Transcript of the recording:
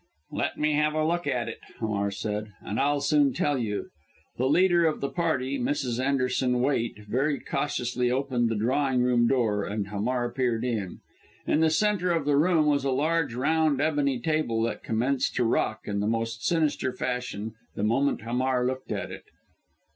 "Let me have a look at it," Hamar said, "and I'll soon tell you." The leader of the party, Mrs. Anderson Waite, very cautiously opened the drawing room door, and Hamar peered in. In the centre of the room was a large, round, ebony table, that commenced to rock, in the most sinister fashion, the moment Hamar looked at it.